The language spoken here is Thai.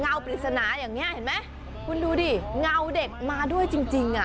ปริศนาอย่างนี้เห็นไหมคุณดูดิเงาเด็กมาด้วยจริงจริงอ่ะ